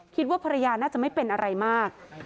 คิดว่าภรรยาน่าจะไม่เป็นอะไรมาก